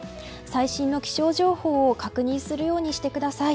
最新の気象情報を確認するようにしてください。